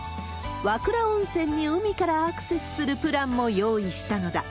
和倉温泉に海からアクセスするプランも用意したのだ。